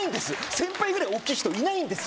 先輩ぐらい大きい人いないんです